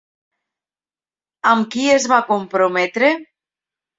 Amb qui es va comprometre?